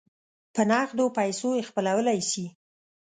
په نغدو پیسو یې خپلولای سی.